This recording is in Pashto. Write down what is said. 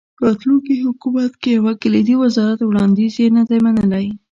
راتلونکي حکومت کې د یو کلیدي وزارت وړاندیز یې نه دی منلی.